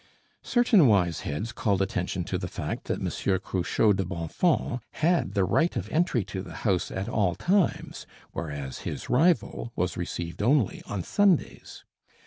Certain wise heads called attention to the fact that Monsieur Cruchot de Bonfons had the right of entry to the house at all times, whereas his rival was received only on Sundays.